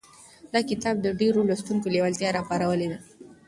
دا کتاب د ډېرو لوستونکو لېوالتیا راپارولې ده.